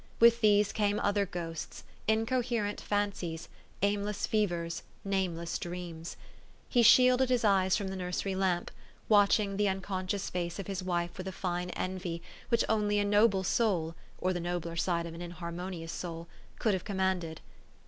With these came other ghosts, incoherent fancies, aimless fevers, nameless dreams. He shielded his eyes from the nursery lamp, watching the uncon scious face of his wife with a fine envy which only a noble soul, or the nobler side of an inharmonious soul, could have commanded.